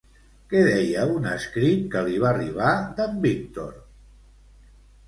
Què deia un escrit que li va arribar d'en Viktor?